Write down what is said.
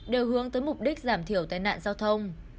đều hướng tới mục đích giảm thiểu tai nạn giao thông